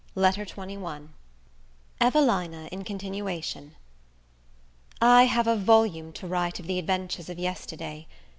LETTER XXI EVELINA IN CONTINUATION I HAVE a volume to write of the adventures of yesterday.